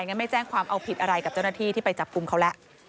อย่างงั้นไม่แจ้งออกตัวผิดอะไรกับเจ้าหน้าที่ที่ไปจับคุมเขาแล้ว